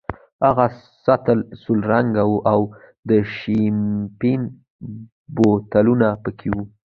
هغه سطل سلور رنګه وو او د شیمپین بوتلونه پکې وو.